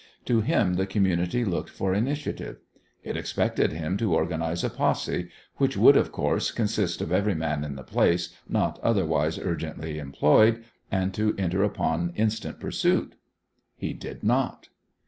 To him the community looked for initiative. It expected him to organise a posse, which would, of course, consist of every man in the place not otherwise urgently employed, and to enter upon instant pursuit. He did not.